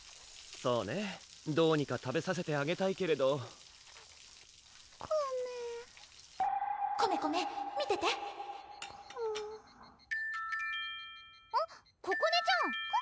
そうねどうにか食べさせてあげたいけれどコメコメコメ見ててあっここねちゃん